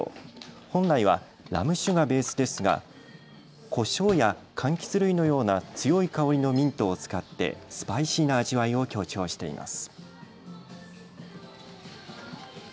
本来はラム酒がベースですがこしょうやかんきつ類のような強い香りのミントを使ってスパイシーな味わいを強調しています。